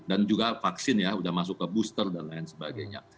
dan juga vaksin ya sudah masuk ke booster dan lain sebagainya